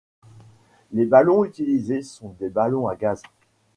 Les ballons utilisés sont des ballons à gaz.